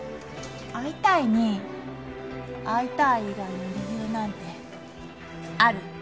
会いたいに会いたい以外の理由なんてある？